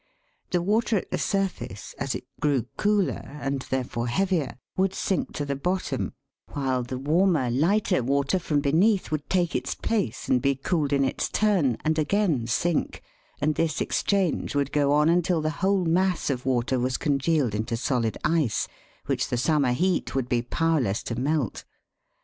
The water at the surface, as it grew cooler, and, there fore, heavier, would sink to the bottom, while the warmer, lighter water from beneath would take its place, and be cooled in its turn, and again sink, and this exchange would go on until the whole mass of water was congealed into solid ice, which the summer heat would be powerless to melt.